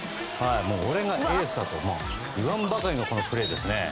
俺がエースだと言わんばかりのプレーでしたね。